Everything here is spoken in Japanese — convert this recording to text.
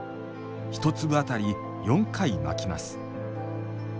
１粒あたり４回巻きます。